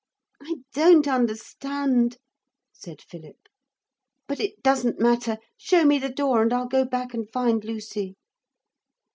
'I don't understand,' said Philip; 'but it doesn't matter. Show me the door and I'll go back and find Lucy.'